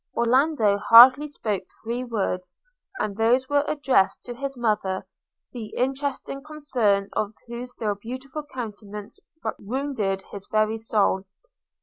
– Orlando hardly spoke three words, and those were addressed to his mother, the interesting concern of whose still beautiful countenance wounded his very soul.